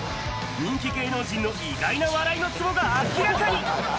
人気芸能人の意外な笑いのツボが明らかに。